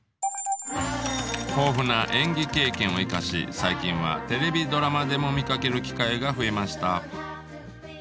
豊富な演技経験を生かし最近はテレビドラマでも見かける機会が増えました。